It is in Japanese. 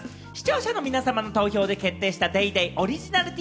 視聴者の皆さまの投票で決定した『ＤａｙＤａｙ．』オリジナルＴ